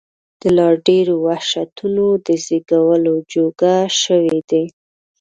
د لا ډېرو وحشتونو د زېږولو جوګه شوي دي.